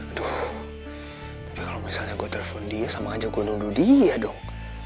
aduh tapi kalau misalnya gue telepon dia sama nganjuk gue nunggu dia dong